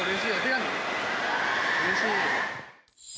うれしい。